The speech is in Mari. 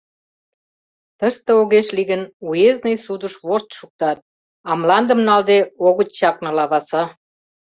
Тыште огеш лий гын, уездный судыш вошт шуктат, а мландым налде огыт чакне, лаваса.